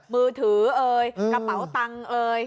มือถือเอ่ยกระเป๋าตังค์เอ่ย